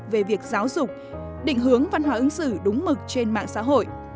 về việc giáo dục định hướng văn hóa ứng xử đúng mực trên mạng xã hội